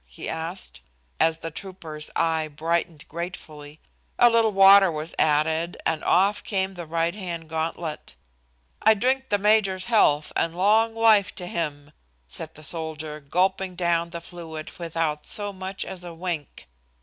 he asked, as the trooper's eye brightened gratefully. A little water was added and off came the right hand gauntlet. "I drink the major's health and long life to him," said the soldier, gulping down the fluid without so much as a wink.